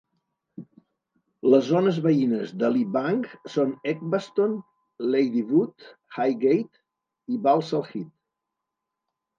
Les zones veïnes de Lee Bank són Edgbaston, Ladywood, Highgate i Balsall Heath.